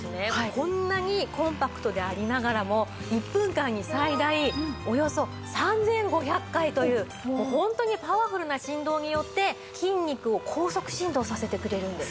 こんなにコンパクトでありながらも１分間に最大およそ３５００回という本当にパワフルな振動によって筋肉を高速振動させてくれるんです。